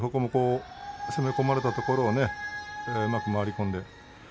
攻め込まれたところをうまく回り込んで。